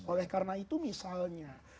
oleh karena itu misalnya